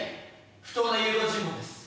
不当な誘導尋問です。